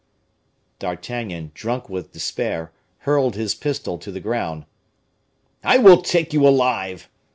D'Artagnan, drunk with despair, hurled his pistol to the ground. "I will take you alive!"